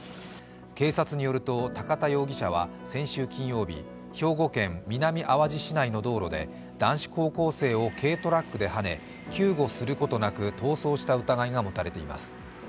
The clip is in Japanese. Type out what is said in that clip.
警察によると、高田容疑者は先週金曜日、兵庫県南あわじ市内の道路で男子高校生を軽トラックではね救護することなく逃走した疑いが持たれています。